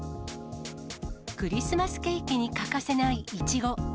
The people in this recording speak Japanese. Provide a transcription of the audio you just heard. クリスマスケーキに欠かせないいちご。